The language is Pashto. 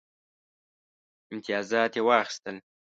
امتیازات یې واخیستل.